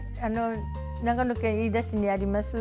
長野県飯田市にあります